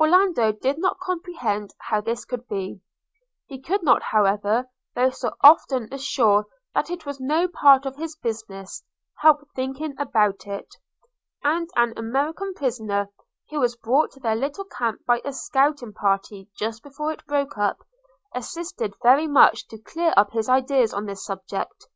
Orlando did not comprehend how this could be – he could not, however, though so often assured that it was no part of his business, help thinking about it; and an American prisoner, who was brought to their little camp by a scouting party just before it broke up, assisted very much to clear up his ideas on this subject.